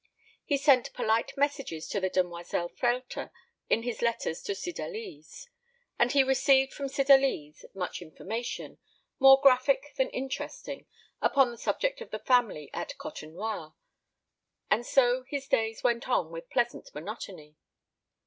He sent polite messages to the demoiselle Frehlter in his letters to Cydalise; and he received from Cydalise much information, more graphic than interesting, upon the subject of the family at Côtenoir; and so his days went on with pleasant monotony.